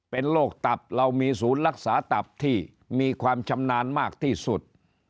เป็นโรคตับเรามีศูนย์รักษาตับที่มีความชำนาญมากที่สุด